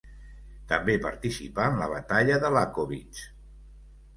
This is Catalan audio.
També participà en la batalla de Lakowitz.